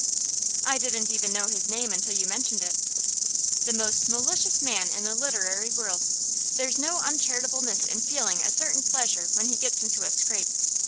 'I didn't even know his name until you mentioned it.' 'The most malicious man in the literary world. There's no uncharitableness in feeling a certain pleasure when he gets into a scrape.